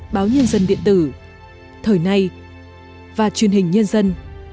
báo nhân dân điện tử thời nay và truyền hình nhân dân